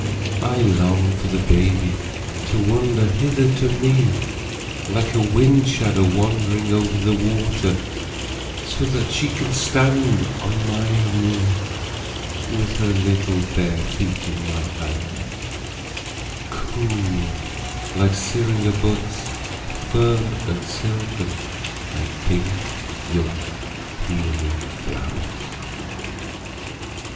I long for the baby to wander hither to meLike a wind shadow wandering over the water, So that she can stand on my kneeWith her little bare feet in my hands, Cool like syringa buds, Firm and silken like pink young peony flowers.